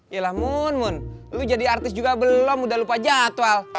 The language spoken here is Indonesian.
yalah mun mun lo jadi artis juga belum udah lupa jadwal